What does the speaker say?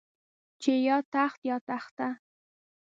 چې يا تخت يا تخته.